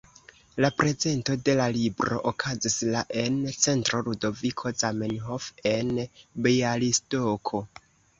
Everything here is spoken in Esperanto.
La prezento de la libro okazis la en Centro Ludoviko Zamenhof en Bjalistoko.